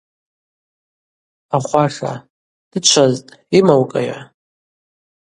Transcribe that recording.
Ахваша – Дычвазтӏ, йымаукӏайа?